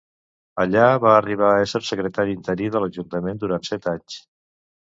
Allà va arribar a ésser secretari interí de l'ajuntament durant set anys.